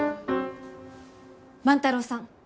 万太郎さん